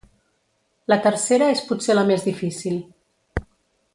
La tercera és potser la més difícil.